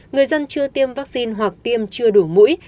người dân chưa tiêm vaccine hoặc tiêm chưa đủ mũi